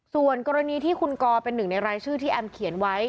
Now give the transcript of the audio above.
ส่วนกรณีที่คุณกอเป็นหนึ่งในรายชื่อที่แอมเขียนไว้